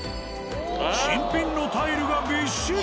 新品のタイルがびっしり。